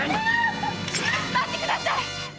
待ってください‼